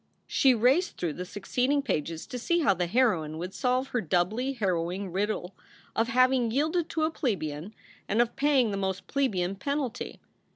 She raced through the succeeding pages to see how the heroine would solve her doubly harrowing riddle of having yielded to a plebeian and of paying the most plebeian penalty.